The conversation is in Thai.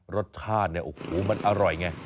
รสชาติเนี่ยโอ้โหมันอร่อยไง